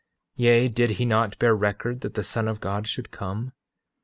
8:14 Yea, did he not bear record that the Son of God should come?